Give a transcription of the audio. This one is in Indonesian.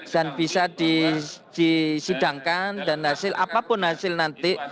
dan bisa disidangkan dan hasil apapun hasil nanti